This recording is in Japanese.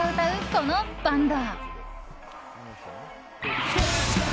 このバンド。